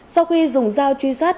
sau khi dùng dao truy sát